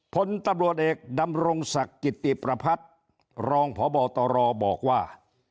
ผลตำรวจเอกดำรงศักดิ์กิติประพัฒน์รองพบตรบอกว่า